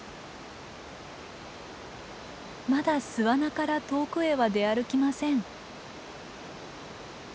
まだ巣穴から遠くへは出歩きません。